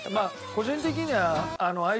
個人的には。